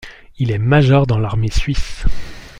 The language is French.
Il est major dans l'armée suisse.